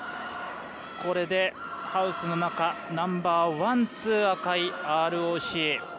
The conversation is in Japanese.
これでハウスの中ナンバーワン、ツー赤いＲＯＣ。